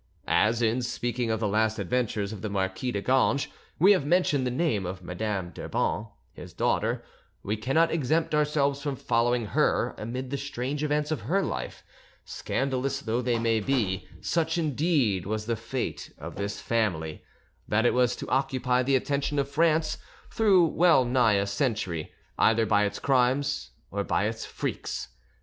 As, in speaking of the last adventures of the Marquis de Ganges, we have mentioned the name of Madame d'Urban, his daughter, we cannot exempt ourselves from following her amid the strange events of her life, scandalous though they may be; such, indeed, was the fate of this family, that it was to occupy the attention of France through well nigh a century, either by its crimes or by its freaks.